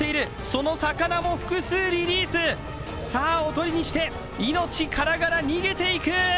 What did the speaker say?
その魚も複数リリース、さあ、おとりにして、命からがら逃げていく。